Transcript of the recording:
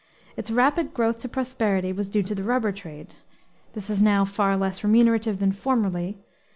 Its rapid growth to prosperity was due to the rubber trade. This is now far less remunerative than formerly.